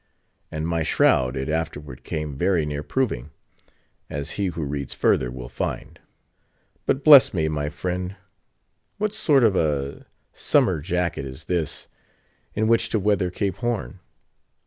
And my shroud it afterward came very near proving, as he who reads further will find. But, bless me, my friend, what sort of a summer jacket is this, in which to weather Cape Horn?